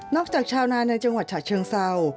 นอกจากชาวนานในจังหวัดถักเชิงเซา